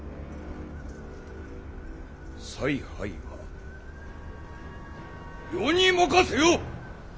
采配は余に任せよ！